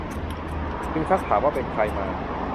จึงซักถามว่าเป็นใครมา